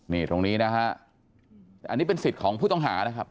นี่ตรงนี้นะฮะอันนี้เป็นสิทธิ์ของผู้ต้องหานะครับ